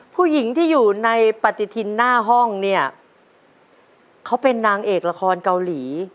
ผู้หญิงที่อยู่ในปฏิทินหน้าห้องเนี่ยเขาเป็นนางเอกละครเกาหลี